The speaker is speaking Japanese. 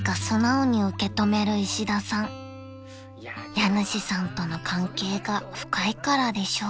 ［家主さんとの関係が深いからでしょう］